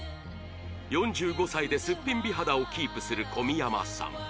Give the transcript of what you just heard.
４５歳でスッピン美肌をキープする小宮山さん